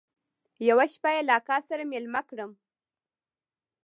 يوه شپه يې له اکا سره ميلمه کړم.